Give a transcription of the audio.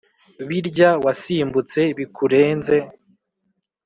birya wasimbutse bikurenze